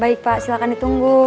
baik pak silakan ditunggu